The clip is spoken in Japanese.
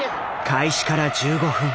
開始から１５分。